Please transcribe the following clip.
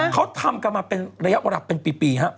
เขาทำกันมาเป็นระยะรับเป็นปี